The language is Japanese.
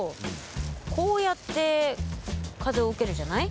こうやって風を受けるじゃない？